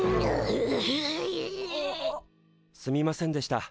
すみませんでした。